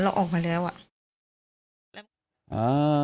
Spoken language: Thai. เราออกมาแล้วอ่ะ